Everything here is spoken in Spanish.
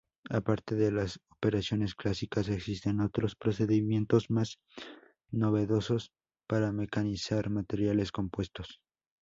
Aparte de las operaciones clásicas existen otros procedimientos más novedosos para mecanizar materiales compuestos.